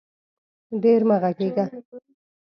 ډېر مه غږېږه